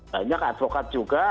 banyak advokat juga